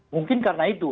mungkin karena itu